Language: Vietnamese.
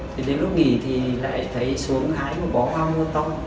thì đến lúc nghỉ thì lại thấy xuống hái một bó hoa mua to